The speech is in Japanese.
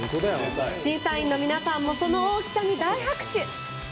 審査員の皆さんも、その大きさに大拍手。